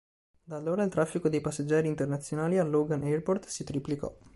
Da allora, il traffico dei passeggeri internazionali al Logan Airport si triplicò.